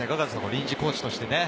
臨時コーチとして。